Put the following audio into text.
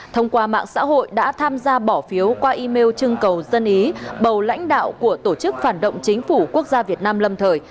thông qua mạng xã hội đã tham gia bỏ phiếu qua email trưng cầu dân ý bầu lãnh đạo của tổ chức phản động chính phủ quốc gia việt nam lâm thời